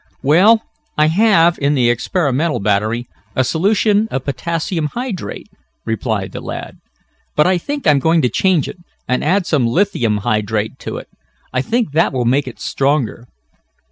"Well I have, in the experimental battery, a solution of potassium hydrate," replied the lad, "but I think I'm going to change it, and add some lithium hydrate to it. I think that will make it stronger."